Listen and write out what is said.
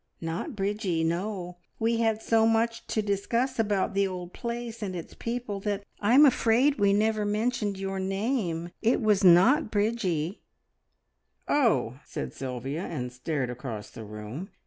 "Not Bridgie no! We had so much to discuss about the old place and its people, that I'm afraid we have never mentioned your name. It was not Bridgie." "Oh!" said Sylvia, and stared across the room.